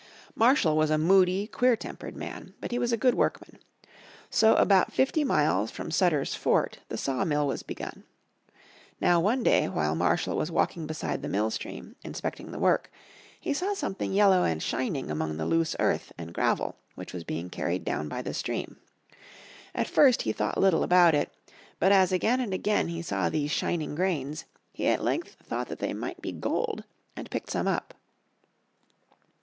Marshall was a moody, queer tempered man. But he was a good workman. So about fifty miles from Sutter's fort the saw mill was begun. Now one day while Marshall was walking beside the mill stream inspecting the work he saw something yellow and shining among the loose earth and gravel which was being carried down by the stream. At first he thought little about it, but as again and again he saw these shining grains he at length thought that they might be gold and picked some up.